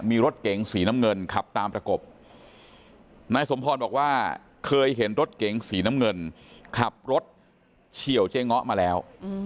มีรถเก๋งสีน้ำเงินขับตามประกบนายสมพรบอกว่าเคยเห็นรถเก๋งสีน้ำเงินขับรถเฉียวเจ๊ง้อมาแล้ว